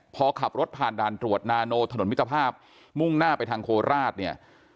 พอขับรถผ่านด่านตรวจนาโนถนนมิตรภาพมุ่งหน้าไปทางโคราชเนี่ย